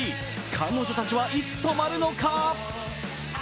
彼女たちはいつ止まるのか？